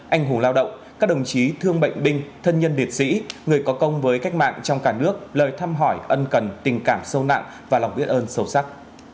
anh hùng lao động các đồng chí thương bệnh binh thân nhân liệt sĩ người có công với cách mạng trong cả nước lời thăm hỏi ân cần tình cảm sâu nặng và lòng biết ơn sâu sắc